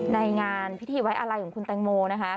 ในงานพิธีไว้อาลัยของคุณแตงโมนะคะ